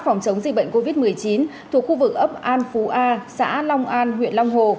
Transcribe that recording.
phòng chống dịch bệnh covid một mươi chín thuộc khu vực ấp an phú a xã long an huyện long hồ